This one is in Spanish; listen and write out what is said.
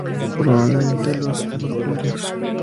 Probablemente, los burgundios.